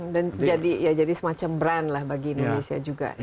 dan jadi semacam brand lah bagi indonesia juga